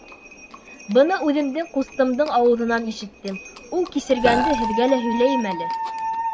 Быны үҙемдең ҡустымдың ауыҙынан ишеттем, ул кисергәнде һеҙгә лә һөйләйем әле.